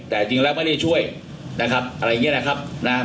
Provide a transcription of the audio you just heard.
แต่จริงแล้วไม่ได้ช่วยนะครับอะไรอย่างนี้นะครับนะ